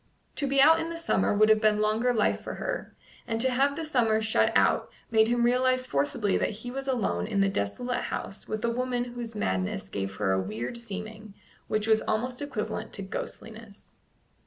To be out in the summer would have been longer life for her, and to have the summer shut out made him realize forcibly that he was alone in the desolate house with a woman whose madness gave her a weird seeming which was almost equivalent to ghostliness.